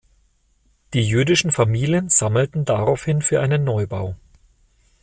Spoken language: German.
Die jüdischen Familien sammelten daraufhin für einen Neubau.